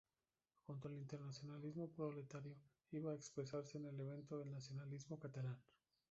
Junto al internacionalismo proletario, iba a expresarse en el evento el nacionalismo catalán.